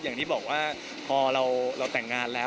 อย่างที่บอกว่าพอเราแต่งงานแล้ว